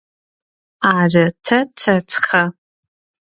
Ары, тэ тэтхэ.